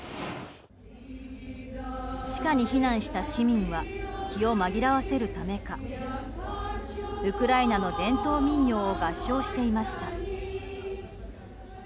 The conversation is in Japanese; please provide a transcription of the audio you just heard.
地下に避難した市民は気を紛らわせるためかウクライナの伝統民謡を合唱していました。